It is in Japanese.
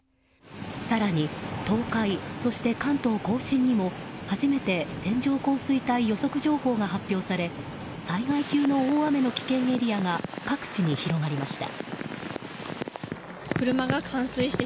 更に東海、そして関東・甲信にも初めて線状降水帯予測情報が発表され災害級の大雨の危険エリアが各地に広がりました。